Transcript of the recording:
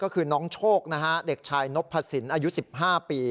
ก็คือน้องโชคนะฮะเด็กชายนพสินอายุ๑๕ปี